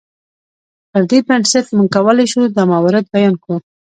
پر دې بنسټ موږ کولی شو دا موارد بیان کړو.